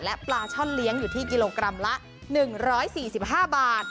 และปลาช่อนเลี้ยงอยู่ที่กิโลกรัมละ๑๔๕บาท